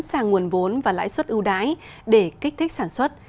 sẵn sàng nguồn vốn và lãi suất ưu đái để kích thích sản xuất